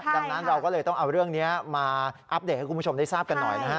ดังนั้นเราก็เลยต้องเอาเรื่องนี้มาอัปเดตให้คุณผู้ชมได้ทราบกันหน่อยนะฮะ